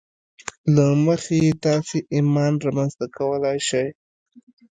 له مخې یې تاسې ایمان رامنځته کولای شئ